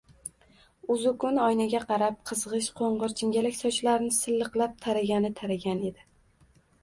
Uzzukun oynaga qarab qizg`ish-qo`ng`ir jingalak sochlarini silliqlab taragani-taragan edi